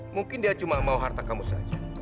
mungkin dia cuma mau harta kamu saja